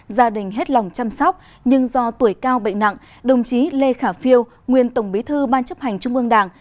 gia đình hết lòng chăm sóc nhưng do tuổi cao bệnh nặng đồng chí lê khả phiêu nguyên tổng bí thư ban chấp hành trung ương đảng